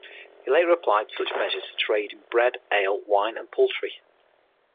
He later applied such measures to trade in bread, ale, wine and poultry.